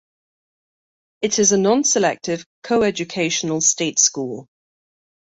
It is a non-selective, coeducational state school.